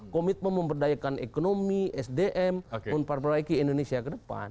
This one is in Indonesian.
komitmen memperdayakan ekonomi sdm dan indonesia ke depan